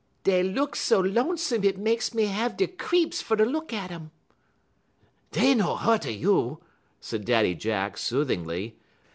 "Dey looks so lonesome hit makes me have de creeps fer ter look at um." "Dey no hu't a you," said Daddy Jack, soothingly.